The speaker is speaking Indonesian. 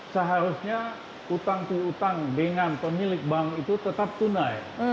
seharusnya utang piutang dengan pemilik bank itu tetap tunai